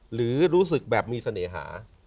หรือรู้สึกแบบมีเสน่หา